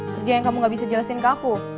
kerja yang kamu gak bisa jelasin ke aku